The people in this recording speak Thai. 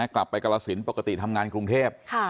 กลับไปกรรศิลป์ปกติทำงานกรุงเทพฯ